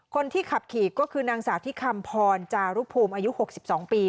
คนที่ขับขี่ก็คือนางสาวที่คำพรจารุภูมิอายุ๖๒ปี